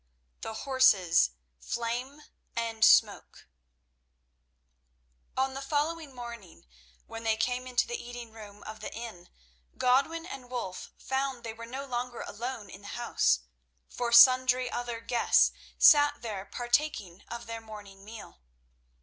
The Horses Flame and Smoke On the following morning, when they came into the eating room of the inn, Godwin and Wulf found they were no longer alone in the house, for sundry other guests sat there partaking of their morning meal.